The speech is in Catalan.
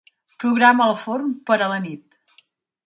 Programa el forn per a la nit.